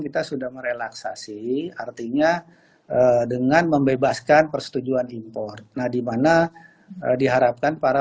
kita sudah merelaksasi artinya dengan membebaskan persetujuan impor nah dimana diharapkan para